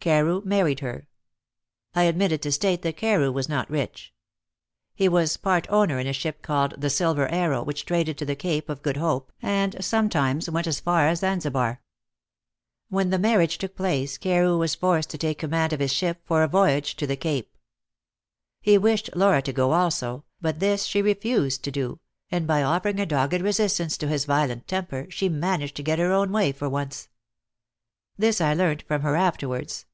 Carew married her. I omitted to state that Carew was not rich. He was part owner in a ship called the Silver Arrow, which traded to the Cape of Good Hope, and sometimes went as far as Zanzibar. When the marriage took place Carew was forced to take command of his ship for a voyage to the Cape. He wished Laura to go also, but this she refused to do, and by offering a dogged resistance to his violent temper she managed to get her own way for once. This I learnt from her afterwards.